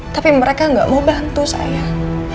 tapi mereka gak mau bantu saya